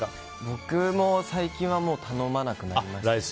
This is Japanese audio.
僕も最近は頼まなくなりました。